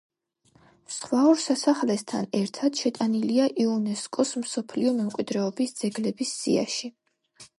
სხვა ორ სასახლესთან ერთად შეტანილია იუნესკოს მსოფლიო მემკვიდრეობის ძეგლების სიაში.